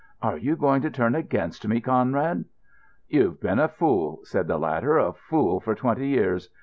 "Are you going to turn against me, Conrad?" "You've been a fool," said the latter—"a fool for twenty years.